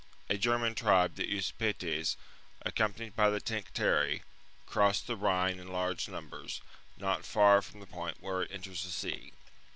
^g\^^ — a German tribe, the Usipetes, accompanied by the Tencteri, crossed the Rhine in large numbers, not far from the point where it enters the sea.